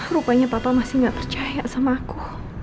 rupanya papa masih gak percaya sama aku